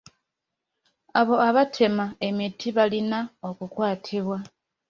Abo abatema emiti balina okukwatibwa.